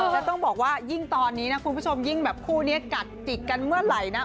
แล้วต้องบอกว่ายิ่งตอนนี้นะคุณผู้ชมยิ่งแบบคู่นี้กัดจิกกันเมื่อไหร่นะ